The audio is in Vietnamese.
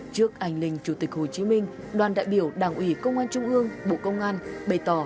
trước ảnh linh chủ tịch hồ chí minh đoàn đại biểu đảng ủy công an trung ương bộ công an bày tỏ